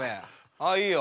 ああいいよ。